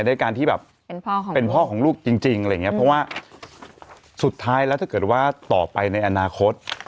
ในการที่เป็นพ่อของลูกจริงเพราะว่าสุดท้ายแล้วถ้าเกิดว่าต่อไปในอนาคต